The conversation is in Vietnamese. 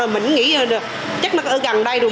mình nghĩ chắc nó ở gần đây rồi